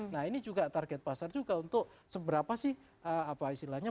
nah ini juga target pasar juga untuk seberapa sih apa istilahnya